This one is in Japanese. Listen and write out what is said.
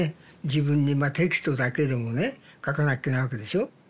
自分にまあテキストだけでもね書かなきゃいけないわけでしょ。